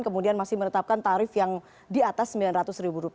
kemudian masih menetapkan tarif yang di atas rp sembilan ratus